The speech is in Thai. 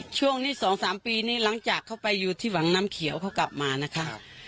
ช่วงนี้๒๓ปีนี้หลังจากเขาไปอยู่ที่วังน้ำเขียวเขากลับมานะคะ